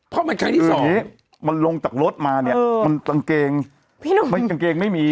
พี่หนูอย่างเกงไม่มี